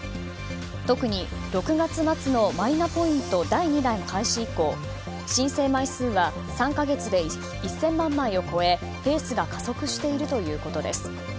特に６月末のマイナポイント第２弾開始以降申請枚数は３か月で１０００万枚を超えペースが加速しているということです。